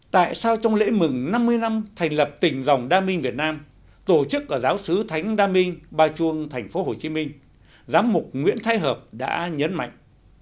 tại sao trong lễ mừng năm mươi năm thành lập tỉnh dòng đa minh việt nam tổ chức ở giáo sứ thánh đa minh ba chuông tp hcm giám mục nguyễn thái hợp đã nhấn mạnh